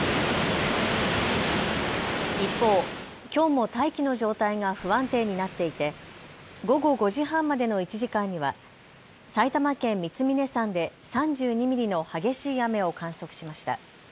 一方、きょうも大気の状態が不安定になっていて午後５時半までの１時間には埼玉県三峰山で３２ミリの激しい雨を観測しました。